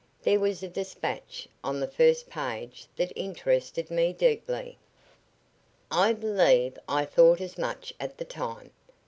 There was a despatch on the first page that interested me deeply." "I believe I thought as much at the time.